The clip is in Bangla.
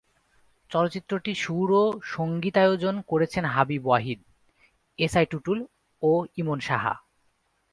চলচ্চিত্রটির সুর ও সঙ্গীতায়োজন করেছেন হাবিব ওয়াহিদ, এস আই টুটুল ও ইমন সাহা।